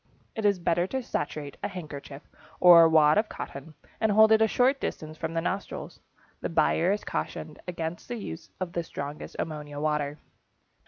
It is better to saturate a handkerchief or wad of cotton and hold it a short distance from the nostrils. The buyer is cautioned against the use of the strongest ammonia water.